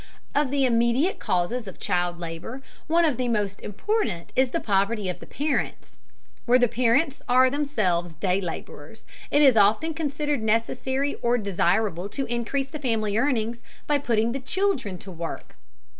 Of the immediate causes of child labor one of the most important is the poverty of the parents. Where the parents are themselves day laborers, it is often considered necessary or desirable to increase the family earnings by putting the children to work.